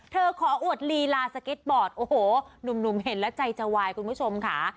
ขออวดลีลาสเก็ตบอร์ดโอ้โหหนุ่มเห็นแล้วใจจะวายคุณผู้ชมค่ะ